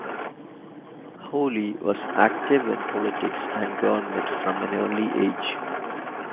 Hawley was active in politics and government from an early age.